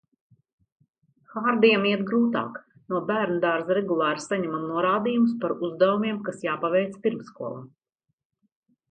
Hardijam iet grūtāk. No bērnudārza regulāri saņemam norādījumus par uzdevumiem, kas jāpaveic pirmsskolā.